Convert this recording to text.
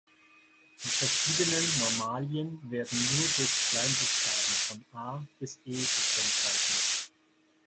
Die verschiedenen Normalien werden nur durch Kleinbuchstaben von „a“ bis „e“ gekennzeichnet.